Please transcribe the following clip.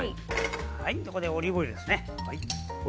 ここでオリーブオイルですね。